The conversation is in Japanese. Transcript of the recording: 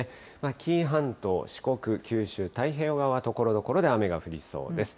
紀伊半島、四国、九州、太平洋側はところどころで雨が降りそうです。